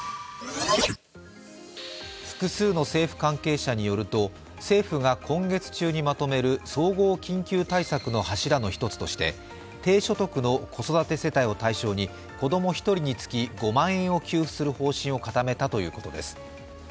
複数の政府関係者によると政府が今月中にまとめる総合緊急対策の柱の１つとして低所得の子育て世帯を対象に子供１人につき５万円を給付する方針を固めたということです。